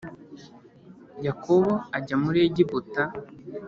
Yakobo ajya muri Egiputa